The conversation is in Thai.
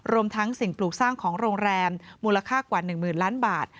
ทั้งสิ่งปลูกสร้างของโรงแรมมูลค่ากว่า๑๐๐๐ล้านบาท